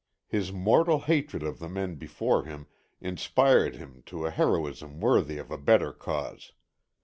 His mortal hatred of the men before him inspired him to a heroism worthy of a better cause.